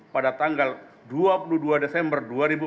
pada tanggal dua puluh dua desember dua ribu empat belas